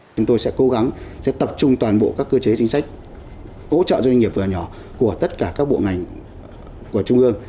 chúng tôi sẽ cố gắng sẽ tập trung toàn bộ các cơ chế chính sách hỗ trợ doanh nghiệp vừa và nhỏ của tất cả các bộ ngành của trung ương